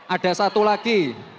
ada satu lagi